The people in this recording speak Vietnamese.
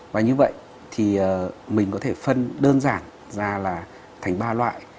và như vậy thì mình có thể phân đơn giản ra là thành ba loại